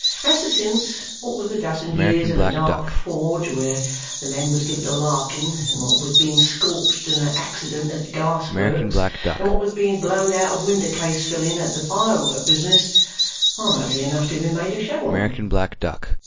As to since, what with a dozen years in a dark forge where the men was given to larking, and what with being scorched in a accident at a gas works, and what with being blowed out of winder case filling at the firework business, I am ugly enough to be made a show on!"